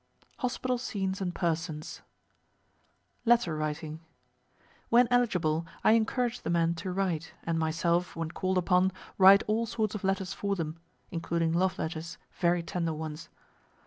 HOSPITAL SCENES AND PERSONS Letter Writing. When eligible, I encourage the men to write, and myself, when called upon, write all sorts of letters for them (including love letters, very tender ones.)